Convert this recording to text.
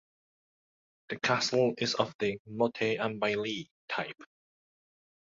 The castle is of the "motte and bailey" type.